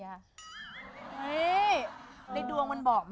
เฮ้ยในดวงมันบอกไหมคะ